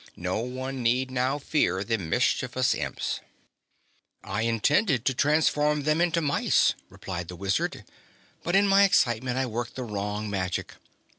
No one need now fear the mischievous Imps." "I intended to transform them into mice," replied the Wizard, "but in my excitement I worked the wrong magic.